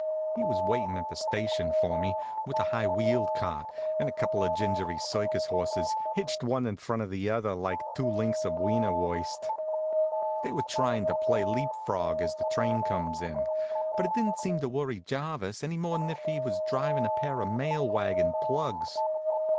He was waitin' at the station for me, with a high wheeled cart, and a couple of gingery circus horses hitched one in front of the other like two links of wienerwurst. They were tryin' to play leap frog as the train comes in; but it didn't seem to worry Jarvis any more'n if he was drivin' a pair of mail wagon plugs.